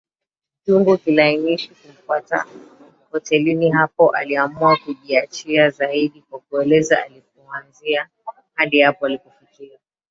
kiungo kilainishi kumfuata hotelini hapo aliamua kujiachia zaidi kwa kuelezea alipoanzia hadi hapo alipofikia